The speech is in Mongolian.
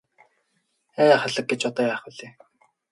Ай халаг гэж одоо яах билээ.